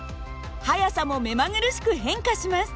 速さも目まぐるしく変化します。